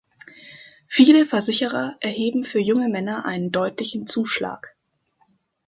Viele Versicherer erheben für junge Männer einen deutlichen Zuschlag.